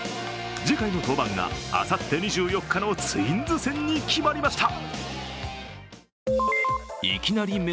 次回の登板が、あさって２４日のツインズ戦に決まりました。